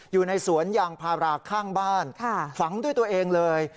อยู่ในสวนยางพาราข้างบ้านฝังด้วยตัวเองเลย